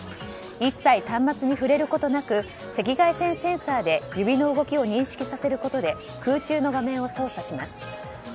一切端末に触れることなく赤外線センサーで指の動きを認識させることで空中の画面を操作します。